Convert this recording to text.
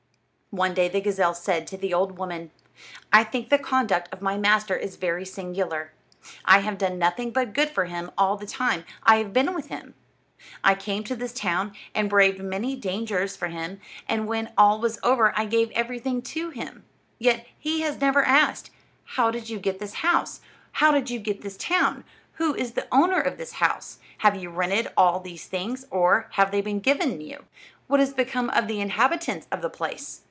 One day the gazelle said to the old woman: "I think the conduct of my master is very singular. I have done nothing but good for him all the time I have been with him. I came to this town and braved many dangers for him, and when all was over I gave everything to him. Yet he has never asked: 'How did you get this house? How did you get this town? Who is the owner of this house? Have you rented all these things, or have they been given you? What has become of the inhabitants of the place?'